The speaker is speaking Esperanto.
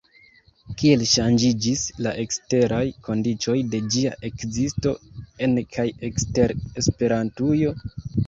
Kiel ŝanĝiĝis la eksteraj kondiĉoj de ĝia ekzisto, en kaj ekster Esperantujo?